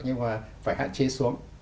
nhưng mà phải hạn chế xuống